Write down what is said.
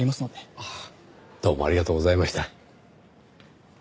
あっどうもありがとうございました。